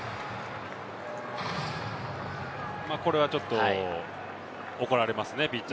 これは、ちょっと怒られますね。